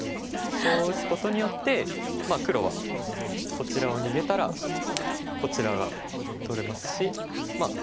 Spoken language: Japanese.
こう打つことによって黒はこちらを逃げたらこちらが取れますし。